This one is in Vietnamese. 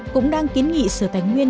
cũng đang kiến nghị sở tánh nguyên